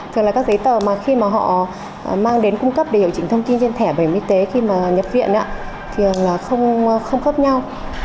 thường là các giấy tờ mà khi mà họ mang đến cung cấp để hiệu chỉnh thông tin trên thẻ bảy mưu tế khi mà nhập viện thường là không khớp nhau